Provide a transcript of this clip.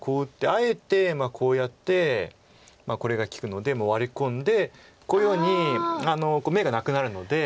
あえてこうやってこれが利くのでもうワリ込んでこういうように眼がなくなるので。